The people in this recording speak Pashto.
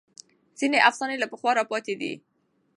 ځینې افسانې له پخوا راپاتې دي.